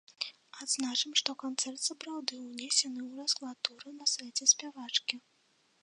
Адзначым, што канцэрт сапраўды ўнесены ў расклад тура на сайце спявачкі.